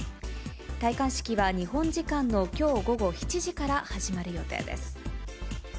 戴冠式は日本時間のきょう午後７時から始まる予定です。